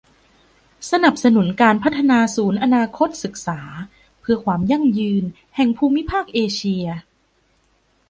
สนับสนุนการพัฒนาศูนย์อนาคตศึกษาเพื่อความยั่งยืนแห่งภูมิภาคเอเชีย